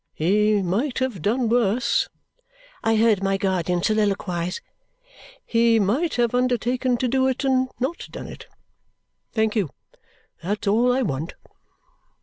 "He might have done worse," I heard my guardian soliloquize. "He might have undertaken to do it and not done it. Thank you. That's all I want."